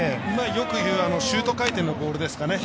よくいうシュート回転のボールですかね。